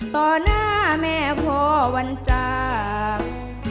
ต่อหน้าแม่พ่อวันจาก